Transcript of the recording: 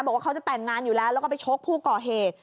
บอกว่าเขาจะแต่งงานอยู่แล้วแล้วก็ไปชกผู้ก่อเหตุ